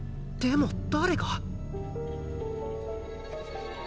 でも誰が？